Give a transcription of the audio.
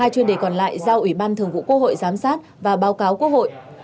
hai chuyên đề còn lại giao ủy ban thường vụ quốc hội giám sát và báo cáo quốc hội